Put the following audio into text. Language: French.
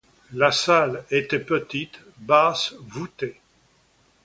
La salle était petite, basse, voûtée.